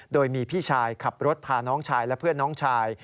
โดยมีพี่ชายขับรถพาน้องชายและเพื่อนน้องชาย